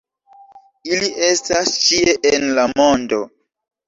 Ili estas ĉie en la mondo.